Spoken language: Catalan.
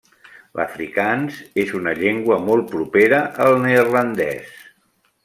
L'afrikaans és una llengua molt propera al neerlandès.